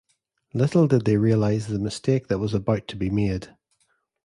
Little did they realize the mistake that was about to be made.